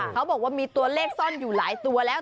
เขาบอกว่ามีตัวเลขซ่อนอยู่หลายตัวแล้ว